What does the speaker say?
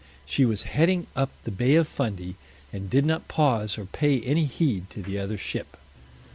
She was heading up the Bay of Fundy, and did not pause or pay any heed to the other ship.